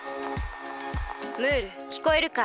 ムールきこえるか？